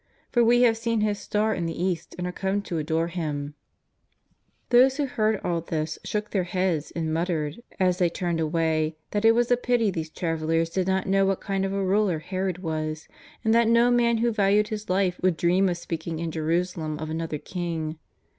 For we have seen His star in the East and are come to adore Him ?" Those who heard all this shook their heads and mut tered as they turned away that it was a pity these travel lers did not know what kind of a ruler Herod was, and that no man who valued his life would dream of speak ing in Jerusalem of another king.